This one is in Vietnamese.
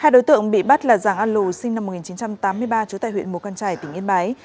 hai đối tượng bị bắt là giàng a lù sinh năm một nghìn chín trăm tám mươi ba chú tại huyện mùa căn trải tỉnh yên bái